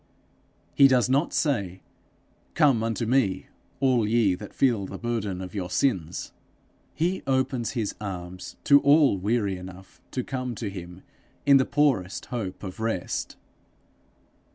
He does not say, 'Come unto me, all ye that feel the burden of your sins;' he opens his arms to all weary enough to come to him in the poorest hope of rest.